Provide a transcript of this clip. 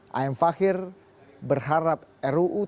pak m fakir berharap ruu tersebut